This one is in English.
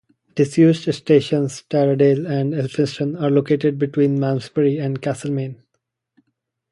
Disused stations Taradale and Elphinstone are located between Malmsbury and Castlemaine.